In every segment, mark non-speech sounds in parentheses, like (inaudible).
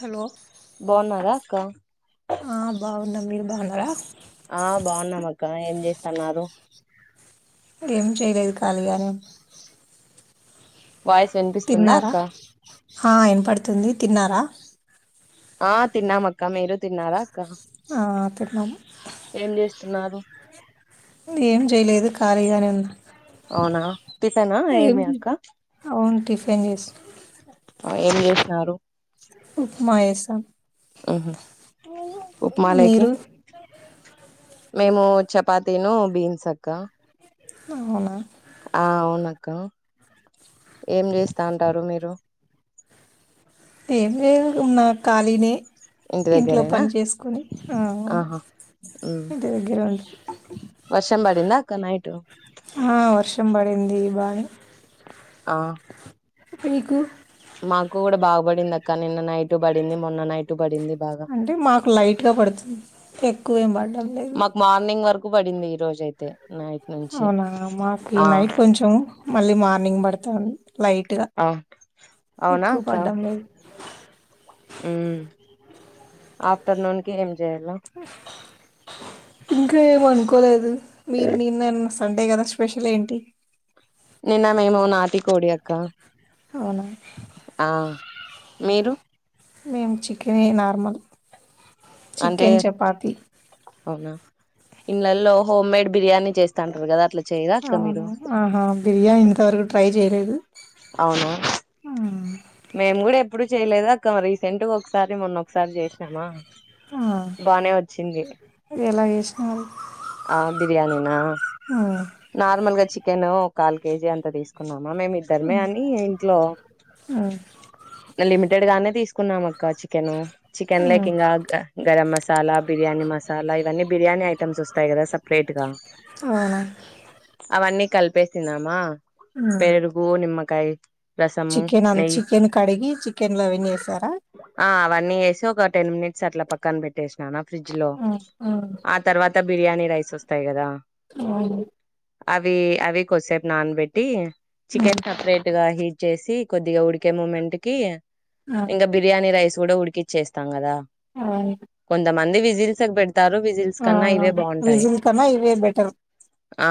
Hello బాగున్నారా అక్క ఆ బాగుండం మీర్ బండ ఆడ ఆ బావున్నాం అక్క ఏం చేస్తన్నారు ఏం చేయలేదు కాళీగానే వాయిస్ వినిపిస్తుందా అక్క ఆ ఇనపడుతుంది తిన్నారా ఆ తిన్నామక్క మీరు తిన్నారా అక్క ఆ తిన్నాము తున్నారు ఇది ఏం చేయలేదు కాళీగానే ఉంది అవునా టిఫెనా ఏ ఏమి అక్క అవును టిఫిన్ చేసా ఏం చేసినారు ఉప్మ ఏసం ఓహో ఉప్మాలేకి మీరు మేము చపాతీను బీన్స్ అక్క అవునా ఆ అవునక్క ఏం చేస్తా అంటారు మీరు ఏ లేదు ఉన్నా కాలినే ఇంటి ఇంట్లో దగ్గరేనా పని చేసుకొని ఆహా ఉమ్ ఇంటి దగ్గర ఉండ వర్షం బదిందక్క నైటు అ ఆ పీకు మాకు కూడా బాగపడింది అక్క నిన్న నైటు పడింది మొన్న నైటు పడింది బాగా అంటే మాకు లైట్గా పడుతుంది ఎక్కువ ఏం పడ్డం లేదు మాకు మార్నింగ్ వరకు పడింది ఈ రోజయితే అవునా మాకు నైట్ కొంచెం మళ్ళీ మార్నింగ్ పడుతు తను లైట్గా ఆ అవునా ఎక్కువ అక్క పడ్డం లేదు ఆఫ్టర్నూన్ కి చేయలా ఇంకా ఏమనుకో కోలేదు మీరనీన్నన్న సండే కదా స్పెషల్ ఏంటి నిన్న మేము నాతి కోడి అక్క అవునా ఆ మీరు మేము చికెన్ నార్మల్ చికెన్ చపాతి ఇడ్లలో హోమ్ మేడ్ బిర్యానీ చేస్తంటారు కదా అట్లా చేయరా అక్క మీరు అవునా ఆహా బిర్యానీ ఇంతవరకు ట్రై చేయలేదు అవునా మేము కూడా ఎప్ ఎప్పుడు చేయలేదు అక్క రీసెంట్ గా ఒకసారి మొన్న ఒకసారి చేసినామా ఆ బానే వచ్చింది నారు ఆ బిర్యానినా నార్మల్గా చిక్ కెను కాల్ కేజీ అంత తీసుకున్నా మేమి ఇద్దరమే అని ఇంట్లో మ్మ్ లిమిటెడ్ గానే తీస్ కున్నామ క చికెను చికెన్ లేకి మ్మ్ ఇంకా గరం మసాలా బిర్యాని మసాలా ఇవన్న బిర్యానీ ఐటమ్స్ వస్తాయి కదా సపరేట్ గా అవునా అవన్నీ కలిపేసినమా మ్మ్ పెరూగు నిమ్మ కాయ్ రసము చికెన్ అం నెయ్యి చికెన్ కడిగి చికెన్లో అవన్నీ వేసారా ఆ అవన్నీ ఏసి ఒక టెన్ మినిట్స్ అట్లా పక్కా పక్కన పెట్టే స్నాం ఫ్రిజ్ లో మ్మ్ మ్మ్ ఆ తర్వాత ఇంత బిర్యానీ రైస్ వస్తాయి కదా (unintelligible) అవి అవి కొద్సేపు నానబెట్టి మ్మ్ మ్మ్ చికెన్ సెపరేట్గా హి చేసి కొద్దిగా ఉడికే మూమెంట్ కి ఆ ఇంకా బిర్యానీ రైస్ కూడ ఉడికిచ్చేస్తాం కదా అవును విజీ సబడి ఆ విజల్ కనా ఇవే బెటర్ ఆ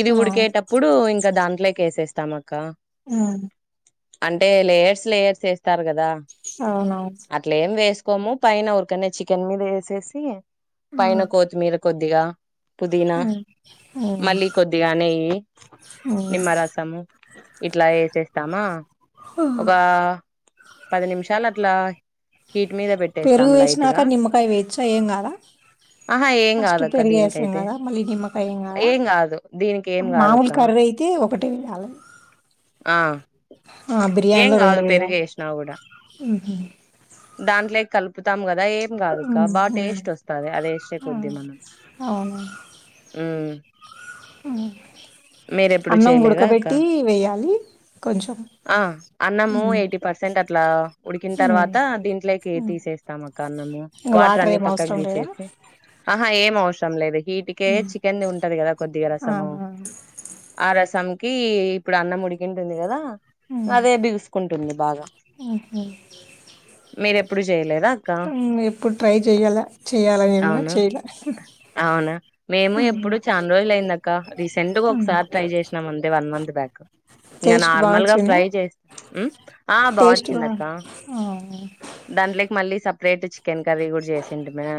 ఇది ఆ ఉడికేటప్పుడు ఇంకా దాంట్లో కేేసేస్తామ అక్క మ్మ్ అంటే లేయర్స్ లేయర్స్ వేస్తారు కదా అవున కొము పైన ఊరికనే చికెన్ మీద వేసేసి పైన కొతిమీర కొద్దిగా పుదీనా అ మళ్ళీ కొద్దిగా నెయ్యి హ్మ్. నిమ్మరసము ఇట్లా వేసేస్తామా ఒక పది నిమిషాలు అట్లా హీట్ మీద పెట్టేస్తాం పెరుగు లైట్ గా వేసినాక నిమ్మకాయ వేచ్చ ఏం కదా ఆహా ఏం ఫస్ట్ కాదక్క పెరుగు వేసాం దీనికైతే కదా మళ్ళీ నిమ్మ ఏం కదా కాదు దీనికి ఏం మామూలు కాదక్క కర్ర అయితే ఒకటే వియాల ఆ ఏం బిర్యానీలో కాదు రెండు వేయాలి పెరిగేసినవు కూడా ఉహు దాంట్లే కల్పు (unintelligible) తమ కద ఏ కదాక్క బాగా ఉహు టేస్ట్ వస్తంది అద వేసే ఆ కొద్ది మనం అవును మీరెప్పుడు అన్నం చేయలేదా అక్క గుడకబెట్టి వేయం ఆ అన్నము హ్మ్ ఎయిటీ పర్సెంట్ అట్లా ఉడికిన హ్మ్ తర్వాత దీంట్లోకి తీసేస్తాం అక్క అన్నము ఇంగ వాటర్ అన్ని ఏం పక్కకు అవసరం లేదా తీసేసి ఆహా ఏం అవసరం లేదు వీటికే చికెన్ది ఉంటది కదా కొద్దిగా ఆ రసము ఆ ఆ రసం కి ఇప్పుడు అన్న ఉడికింటుంది కదా అదే బిగుసుకుంటుంది బాగా ఉహు మీరు ఎప్పుడు చేయలేద హ్మ్ ఎప్పుడు ట్రై చెయాల చెయ్యాలని ఉన్నా అవునా చెయలే అవునా మేము హ్మ్ ఎప్పుడు చానా రోజులు అయిందక్క రీసెంట్ గా ఇంకా నార్మల్ గా ఫ్రై చే హ్మ్ ఆ బా వచ్చింది అక్క ఆ! దాంట్లోకి మళ్ళీ సపరేట్ చికెన్ కర్రీ కూడా చేసింటిమా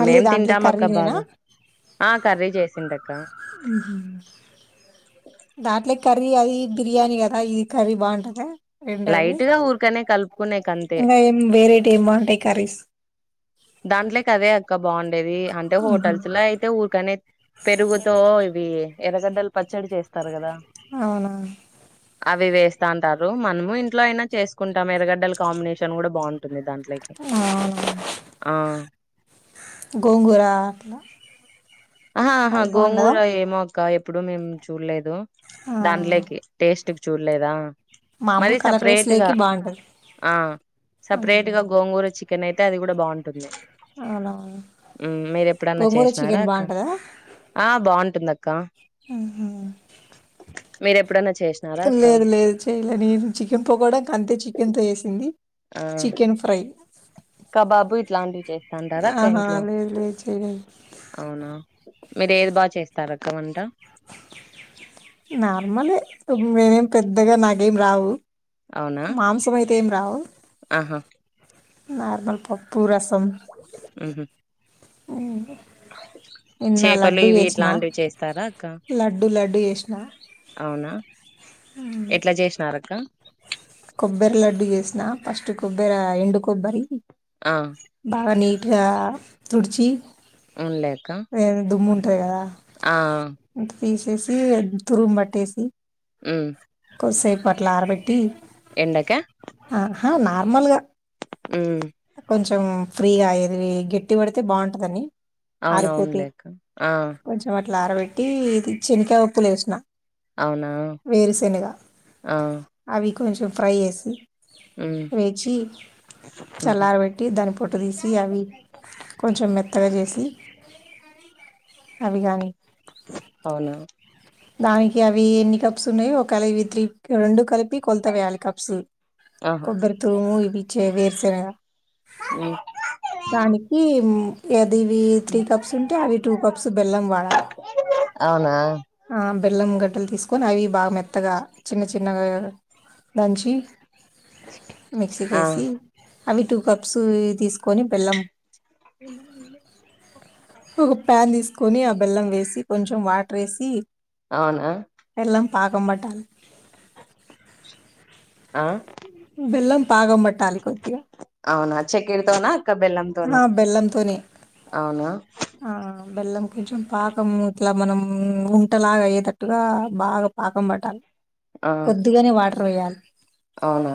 మళ్ళీ దాంట్లేకి కర్రీ నేనా ఆ కర్రీ చేసింటి అక్కా దాట్లే కర్రీ అది బిర్యానీ కదా ఈ కర్రీ బాంటదా రెండ అవి లైట్ గా ఊరికనే కలుపుకునేకి అంతే ఇంగా ఏం వేరైటీ ఏమ్ బాంటాయి కర్రీస్ దాంట్లే క అదే అక్క బాండేది అంటే హుహు. హోటల్స్ లో అయితే ఊరకనే పెరుగుతో ఇవి ఎరగడ్డలు పచ్చడి చేస్తారు కదా అవునా అవి వేస్తాంటారు మనము ఇంట్లో అయినా చేసుకుంటాం ఎరగడ్డల కాంబినేషన్ కూడా బాంటుంది దాంట్లో ఆ ఆ గోంగూర అట్లా అహా అహా అది గోంగూర బావుండదా? ఏమో కా ఎప్పుడూ మేము చూల్లేద్ దు ఆ! దాంట్లేకి టేస్ట్ చూల్లేదా మామూలు మరి కలర్ రైస్ సపరేట్గా లేకి బావుంటది. ఆ హ్మ్. సపరేట్గా గోంగూర చి చికెన్ అయితే అది గూడా బాంటుంది అవునా ఎప్పుడన్నా గోంగూర చికెన్ బా బ బాంటుందక్కా మీరు ఎప్పుడన్నా చేసినారా అక్క లేదు లేదు చేయలే నేను చికెన్ పకోడాక్ అంతే చికెన్తో వేసింది ఆ చికెన్ ఫ్రై కబాబు ఇట్లాంటివి చేస్తాంటార అక్క ఆహా! ఇంట్లో లేదు లేదు చేయలేదు. అవునా మీరు ఏది బా చేస్తారక్క వంట నార్మలే మేనేం పెద్దగా నాకేం రావు అవునా మాంసమైతే ఏం రావు ఆహా నార్మల్ పూ సం ఉహు అవు నిన్న చేపలు లడ్డూ ఇవి చేసిన ఇట్లాంటివి చేస్తారా అక్క లడ్డుూ లడ్డుూ చేసిన అవునా ఎట్లా చేసినార అక్క కొబ్బరి లడ్డు చేసిన ఫస్ట్ కొబ్బర ఎండు కొబ్బరి ఆ బని ఇకా తుర్చీ అవునులే అక్క ఏ ద ము టేగరా ఆ తీసేసి తురుగుమట్టేసి హ్మ్ కొసేపు ఆట్ల ఆర పెట్టి ఎండా క్య ఆహ నార్మల్ గా ఉ కొంచెం ఫ్రీగా యేది గట్టి పడితే బాగుంటుందని అవునవునులే అక్క ఆ ఇట్ల ఆరబెట్టి ఇది చినికాయలు వోప్పులు ఏసిన అవునా వేరుశెనగా ఆ అవి కొంచెం ఫ్రై చేసి హ్మ్ వేచి హుహు చల్లార బేట్టి దాని పొట్టు తీసి అవి కొంచెం మెత్తగా చేసి అదిగాని అవునా దానికి అవి ఎన్ని కప్స్ ఉన్నాయి ఒకళ ఇవి త్రీ రెండు కలిపి కొలత వేయాలి కప్స్ ఆహా కొబ్బరీ తురుము ఇవి చే వేరుశనగా హ్మ్ దానికి ఎది ఈవి త్రీ కప్స్ ఉంటే అవి టూ కప్స్ బెల్లం వాడాలి అవునా ఆ బెల్లం గడ్డలు తీసుకొని అవి బాగా మెత్తగా చిన్న చిన్నగా దంచి మిక్సీ ఆ కేసి అవి టూ కప్స్ తీసుకొని బెళ్ళం ఒక ప్యాన్ తీస్ కొని ఆ బెల్లం వేసి కొంచెం వాటర్ వేసి అవునా బెల్లం పాకం బట్టాలి ఆ వెెల్లం పాగం పట్టాలి కొద్దిగా అవునా చక్కెరతోనా అక్క బెల్లంతోనా ఆ బెల్లంతోనే అవునా బెల్లం కొంచెం పాకం ఇట్లా మనం ఉంటలాగా అయ్యేటట్టుగా బాగా పాకం పట్టాలి ఆ కొద్దిగానే వాడ రోయల్ అవునా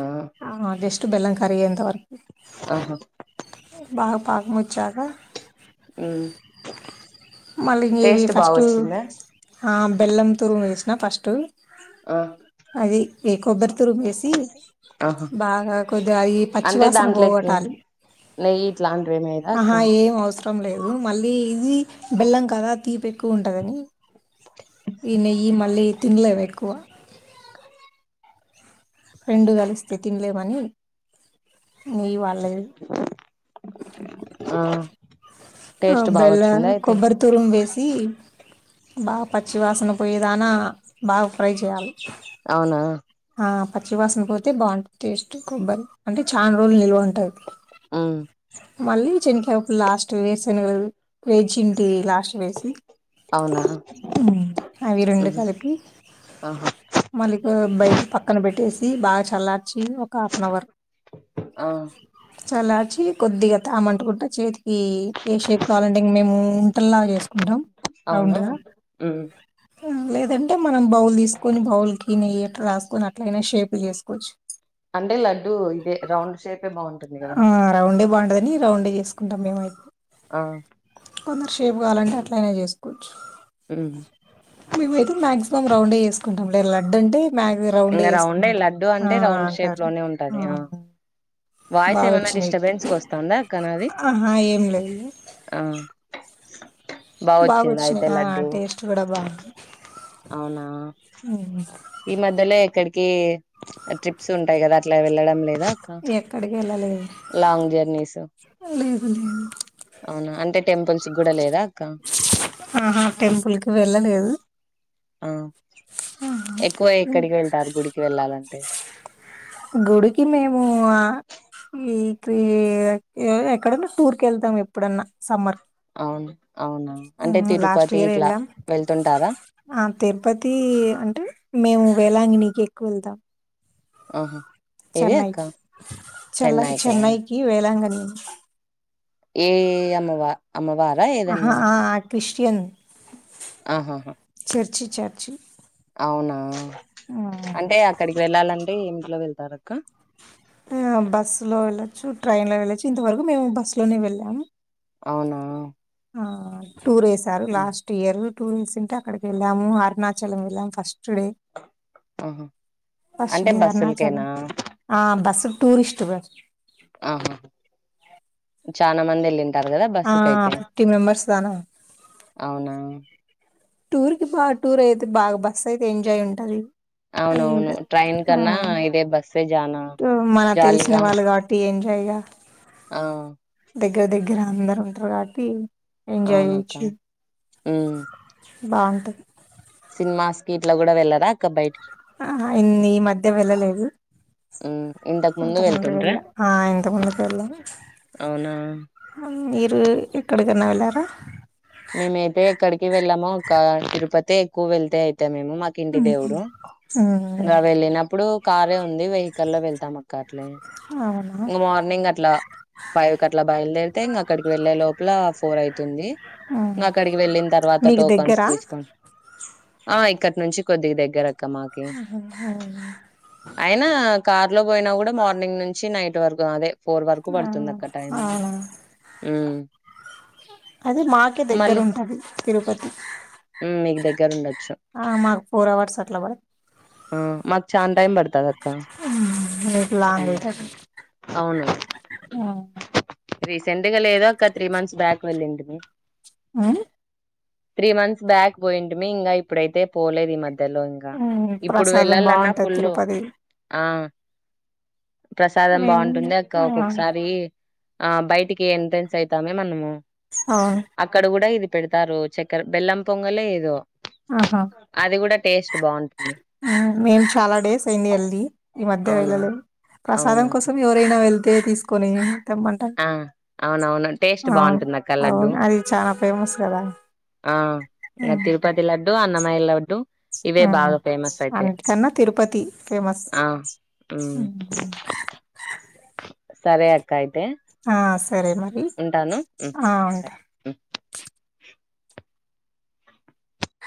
బెల్లం కరిగేంత వర ఆహా బాగా పాకం మొ చ్చాక హ్మ్ మళ్లీ ఈ టేస్ట్ బాగా ఫస్ట్ వచ్చిందా బెల్లం తురిమేస అ ఫస్టు ఆ అది ఏ కొబ్బర్ తురుమేస్ ఆహా బాగా కొద్గా అయ్యి అది అంటే పచ్చివాసన దాంట్లోకి పోగొటాలి నెయ్యి ఇట్లాంటివి ఏం వేయరా అక్క ఆహా అయ్యి ఏం అవసరం లేదు మళ్ళీ ఇ బెల్లం కదా తీపి ఎక్కువ ఉంటుందని ఈ నెయ్యి మళ్ళీ తినలేవు ఎక్కువ రెండు కలిస్తే తినలేమని నెయ్యి వాళ్ళేద్ ఆ ఆ టేస్ట్ బాగా బెల్లం వచ్చిందా అయితే కొబ్బరి తురుం వేసి బాగా పచ్చి వాసన పోయేదానా బాగా ఫ్రై చేయ్యాలి అవునా ఆ పచ్చి వాసన పోతే బాగుంటది టేస్ట్ కొబ్బరి అంటే చాలా రోజులు నిల్వ ఉంటుంది ఊ మళ్ళీ చింకావు లాస్ట్ వేసన్ వేచింటి లా ంచ్ వేసీ అవునా అవి రెండు హ్మ్ కలిపి ఆహా మళ్లీ భయట పక్కన పెట్టేసి ఈ బాగా చల్లార్ చీ ఒక ఆఫ్నవర్ ఆ చల్లార్చి, కొద్దిగా తామంటకుంట చేతికి, ఈ ఏ షేప్ కావాలంటే మేము ఉంటలా చేసుకుంటాం అవునా రౌండు గా, ఉమ్ లేదంటే మనం బౌల్ తీసుకొని. బౌల్ కి నెయ్యి ఎట్లా రాసుకొని అట్లయినా షేప్ చేసుకోవచ్చు, అండే లడ్డు ఇదే రౌండ్ షేప్, ఆ రౌండే బాగుంటది, అన్ని రౌండ్ చేసుకుంటాం మేము అయితే, ఆ కొందరు షేపు కావాలంటే అట్ల అనే చేసుకో, ఉమ్ మేమైతే మాక్సిమం రౌండే చెసుకుంటాం, (inaudible) లే లడ్డు అంటే, మ్యాగ్ ఇంకా రౌండే చేసుకుంటాం. లడ్డుూ ఆ! అంటే రౌండ్ షేప్ అంటారు. లోనే ఆ! ఉంటది, వాయిస్ ఏమన్నా బాగొచ్చినయి. డిస్టర్బెన్స్ క వస్తాందా అక్క నాది ఆహా! ఏం లేదు. ఆ, బాగా వచ్చిందా బాగుచ్చినాయి అయితే ఆ లడ్డు టేస్ట్ కూడా బాగుంది, అవునా హ్మ్. ఈ మధ్యలే, ఎక్కడికి ట్రిప్స్ ఉంటాయి కదా అట్లా వెళ్లడం లేదు, ఎక్కడికి వెళ్ళాలి, లాంగ్ జర్నీస్, అవునా అంటే టెంపుల్స్ కూడా లేదా, అక్క ఆహా టెంపుల్ కి వెళ్ళలేదు, ఆ ఎక్కువ ఉమ్. ఎక్కడికి వెళ్తారు గుడికి వెళ్ళాలంటే, గుడికి మేము వీక్లీ ఈ ఎక్కడన్నా టూర్ కు వెళ్తాం ఎక్కడన్నా సమ్మర్, అవును అవునా అంటే లాస్ట్ తిరుపతి ఇయర్ ఇట్లా వెళ్ళాం వెళ్తుంటారా ఆ తిరుపతి అంటే మేము, వేలా అంగ్ణీకి ఎక్కువ వెళ్తాం, ఆహా ఏది అక్క చెన్నై కా చెన్నైకి వేలాంగణి ఏ అమ్మవ అమ్మవారా ఆహా ఏదన్నా, ఆ, క్రిస్టియన్ ఆహా హా చర్చి చర్చి అవునా ఆ, అంటే అక్కడికి వెళ్ళాలంటే ఏ ఎలా వెళ్తారు అక్క, బస్సులో వెళ్ళచ్చు ట్రైన్ లో వెళ్ళొచ్చు ఇంతవరకు మేము బస్సులోనే వెళ్ళాము అవునా ఆ టూర్ వేసారు ఉమ్, లాస్ట్ ఇయర్, టూ వీక్స్ ఉంటే అక్కడికి వెళ్ళాము అరుణాచలం వెళ్ళాము ఫస్ట్ స్ట్డే ఆహా ఫస్ట్ అంటే డే అరుణాచలం బస్సులకేనా ఆ బస్ టూరిస్ట్ బ ఆహా చానా మంది ఏళ్ళి టారు కదా బస్సు కయితే ఫిఫ్టీ మెంబర్స్ దానా అవునా టూర్ కి బాగా టూర్ అయితే బాగా బస్ అయితే ఎంజాయ్ ఉంటాది అని అవునవును ఉంటది ట్రైన్ ఉ కన్నా ఇదే బస్సే జానా టు మన తెలిసిన జాలీగా వాళ్ళు కాబట్టి ఏంజయగా ఆ దగ్గర దగ్గర అందరు ఉంటారు కాబట్టి ఎంజాయ్ అవునక్క చేయొచ్చు ఊ బాగుంటది సినిమాస్ కి ఇట్ల కూడా వెళ్ళరా అక్క బయటికి ఆహా ఇన్ని ఈ మధ్య వెళ్ళలేదు ఉమ్ ఇంతకు ఇంత ముందు ముందుకు వెళ్ళ వెళ్తుంట్రా ఆ ఇంత ముందుకు వెళ్ళను అవునా మీరు ఎక్కడికన్నా వెళ్ళారా అహ్ మేమైతే ఎక్కడికి వెళ్ళాము అక్క తిరుపతే ఎక్కువ వెళ్తే అయితే తే మేము మాకు ఇంటి ఉహు. దేవుడు ఉమ్, ఇంకా వెళ్ళినప్పుడు కారే ఉంది వెహికల్ లో వెళ్తాం అక్క అవునా ఇంగ మార్నింగ్ అట్లా ఫైవ్ కి అట్లా బయలుదేరితే ఇంగ అక్కడికి వెళ్లే లోపల, ఫోర్ ఐతుంది ఉమ్. ఇంగ అక్కడికి వెళ్ళిన తర్వాత మీకు టోకన్స్ దగ్గరా తీసుకోను ఆ ఇక్కటి నుంచి కొద్దిగ దగ్గర క్క మాకి అయినా కార్ లో పోయినా కూడా మార్నింగ్ నుంచి నైట్ వరకు అదే ఫోర్ వరకు ఆ పడుతుంది అక్క టైం అవునా ఉమ్ అది మాకే దెగ్ గర మళ్ళీ ఉంటాది తిరుపతి ఉమ్ మీకు దగ్గర ఉండ ఆ మాకు ఫోర్ అవర్స్ అట్లా పడు ఆ మాకు చాన టైం పడుతది అక్క మీకు లాంగ్ ఉమ్ అవుతుంది అవును. ఉమ్. రీసెంట్ గా లేదు ఒక త్రీ మంత్స్ బ్యాక్ వెళ్లింటిమి ఆ త్రీ మంత్స్ బ్యాక్ పోయింటిమీ ఇంకా ఇప్పుడైతే పోలేదు ఈ మధ్య ధ్యలో ఇంకా ఉమ్, ఇప్పుడు ప్రసాదం వెళ్ళాలన్నా బాగుంటది ఫుల్ తిరుపతి ఆ ప్రసాదం మేము బాగుంటుంది అక్క ఆ ఒక్కొక్కసారి ఆ బయటికి ఎంట్రెన్స్ అయితామే మనము అవును అక్కడ కూడా ఇది పెడతారు చక్కెర బెల్లం పొంగలే ఏదో అది కూడా టేస్ట్ బాగుంటుంది ఆ మేము చాలా డేస్ అయింది వెళ్ళి ఈ మధ్య అవునా వెళ్ళలే, ప్రసాదం అవునా కోసం ఎవరైనా వెళ్ ళ్తే తీసుకొని తెమ్మంటారు ఆ అవునవును టేస్ట్ అవును బాగుంటుంది. అక్క లడ్డు అవును అది చాలా ఫేమస్ కదా ఆ ఇక తిరుపతి లడ్డు అన్నం. య లడ్డు ఇవే ఆ బాగా ఫేమస్ అయితే అందుకన్నా తిరుపతి ఫేమస్ ఆ ఉమ్ సరే అక్క అయితే ఆ సరే మరి ఉంటాను. హ్మ్. ఆ బాయ్. ఉంటా హ్మ్.